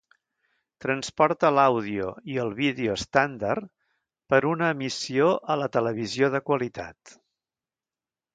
Transporta l’àudio i el vídeo estàndard per una emissió a la televisió de qualitat.